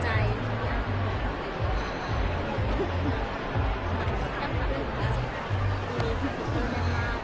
ด้วยการรับใจกะลาม